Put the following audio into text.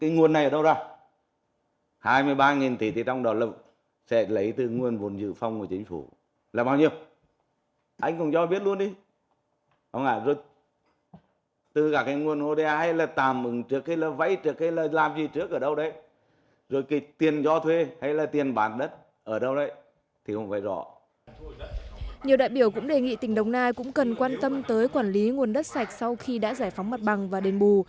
nhiều đại biểu cũng đề nghị tỉnh đồng nai cũng cần quan tâm tới quản lý nguồn đất sạch sau khi đã giải phóng mặt bằng và đền bù